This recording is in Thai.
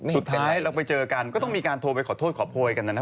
สุดท้ายเราไปเจอกันก็ต้องมีการโทรไปขอโทษขอโพยกันนะนะ